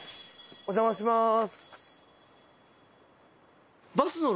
お邪魔します。